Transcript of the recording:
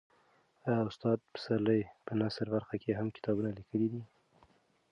آیا استاد پسرلی په نثري برخه کې هم کتابونه لیکلي دي؟